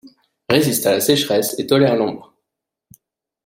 Résiste à la sécheresse et tolère l'ombre.